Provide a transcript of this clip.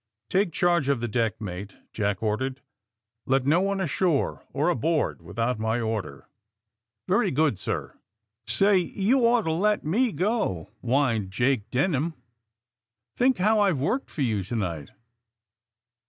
Take charge of the deck, mate," Jack or dered. *'Let no one ashore or aboard without my order." "Very good, sir. ?> AND THE SMUGGLERS 239 *' Say, you ought to let me go, '' whined Jake Denham. ^* Think how I've worked for you to night.